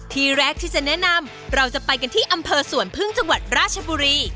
ที่แรกที่จะแนะนำเราจะไปกันที่อำเภอสวนพึ่งจังหวัดราชบุรี